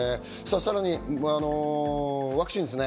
さらにワクチンですね。